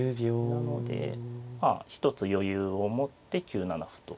なのでまあ一つ余裕を持って９七歩と。